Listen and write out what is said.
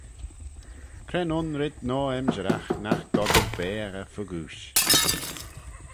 Cre'n un red noa-emshyragh nagh dod oo beaghey fegooish?